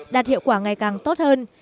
và ngày càng tốt hơn